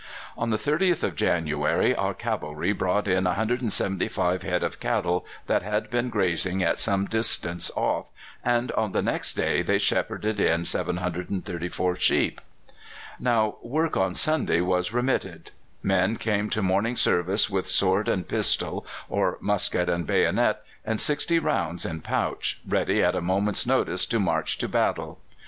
On the 30th of January our cavalry brought in 175 head of cattle that had been grazing at some distance off, and on the next day they shepherded in 734 sheep. Now, work on Sunday was remitted. Men came to morning service with sword and pistol, or musket and bayonet, and sixty rounds in pouch, ready at a moment's notice to march to battle.